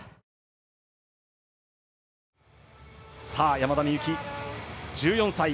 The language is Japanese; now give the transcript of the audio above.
山田美幸、１４歳。